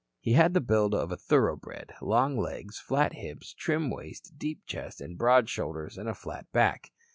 He had the build of a thoroughbred, long legs, flat hips, trim waist, deep chest and broad shoulders and a flat back.